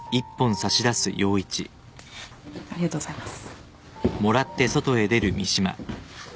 ありがとうございます。